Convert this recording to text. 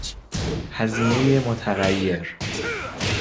هزینه متغیر